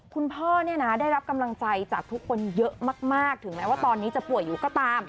คุณพ่อเนี่ยนะได้รับกำลังใจจากทุกคนเยอะมากถึงแม้ว่าตอนนี้จะป่วยอยู่ก็ตาม